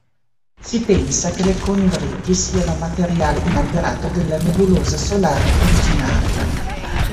Si pensa che le condriti siano materiale inalterato della nebulosa solare originaria.